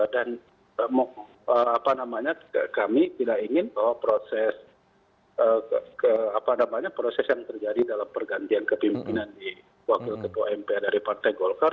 dan apa namanya kami tidak ingin bahwa proses apa namanya proses yang terjadi dalam pergantian kepimpinan di wakil ketua mpr dari partai golkar